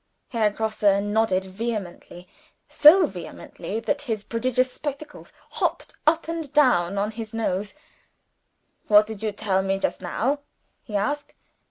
Herr Grosse nodded vehemently so vehemently that his prodigious spectacles hopped up and down on his nose. "What did you tell me just now?" he asked.